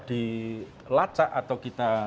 dilacak atau kita